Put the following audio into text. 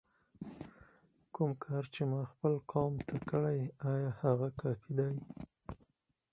کوم کار چې ما خپل قوم ته کړی دی آیا هغه کافي دی؟!